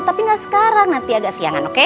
tapi nggak sekarang nanti agak siangan oke